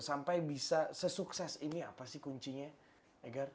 sampai bisa sesukses ini apa sih kuncinya egar